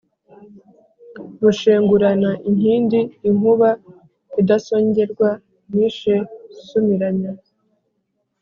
Rushengurana inkindi, inkuba idasongerwa nishe Sumiramya.